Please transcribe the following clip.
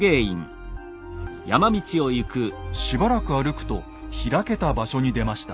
しばらく歩くと開けた場所に出ました。